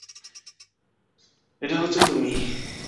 এটা হচ্ছো তুমি।